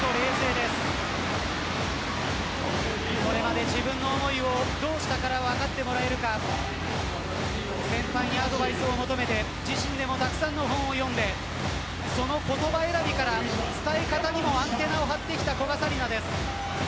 これまで自分の思いをどう下に分かってもらえるか先輩にアドバイスを求めて自身でもたくさん本を読んで言葉選びから伝え方にもアンテナを張ってきた古賀紗理那です。